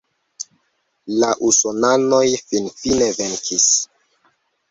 La usonanoj finfine venkis.